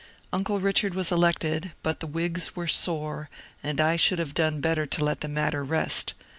Uncle Richard was elected, but the Whigs were sore, and I should have done better to let the matter rest.